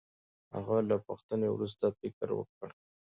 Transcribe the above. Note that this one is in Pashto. هغه له پوښتنې وروسته فکر وکړ.